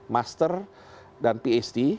master dan phd